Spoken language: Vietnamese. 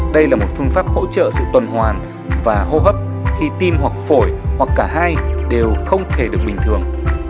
đây là một phương pháp hỗ trợ sự tuần hoàn và hô hấp khi tim hoặc phổi hoặc cả hai đều không thể được bình thường